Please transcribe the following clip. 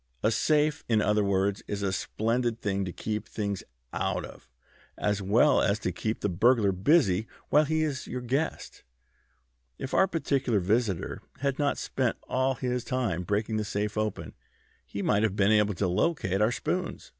A safe, in other words, is a splendid thing to keep things out of, as well as to keep the burglar busy while he is your guest. If our particular visitor had not spent all his time breaking the safe open he might have been able to locate our spoons."